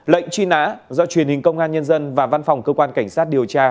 lệnh truy nã do truyền hình công an nhân dân và văn phòng cơ quan cảnh sát điều tra